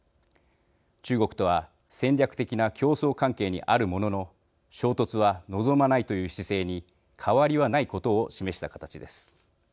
中国とは戦略的な競争関係にあるものの衝突は望まないという姿勢に変わりはないことを示した形です。